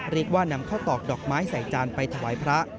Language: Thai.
เรียกว่านำข้าวตอกดอกไม้ใส่จานไปถวายพระ